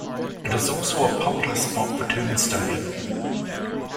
It is also a popular spot for tomb-stoning.